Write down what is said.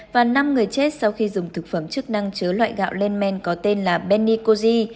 và năm người chết sau khi dùng thực phẩm chức năng chứa loại gạo lên men có tên là benikozy